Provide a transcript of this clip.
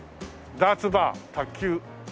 「ダーツバー卓球」